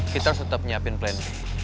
kita harus tetep nyiapin plan b